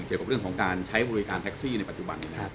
เกี่ยวกับเรื่องของการใช้บริการแท็กซี่ในปัจจุบันนะครับ